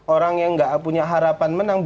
orang yang gak punya harapan menang